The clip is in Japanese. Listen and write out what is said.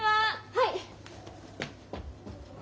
はい！